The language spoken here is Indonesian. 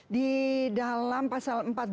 di dalam pasal empat belas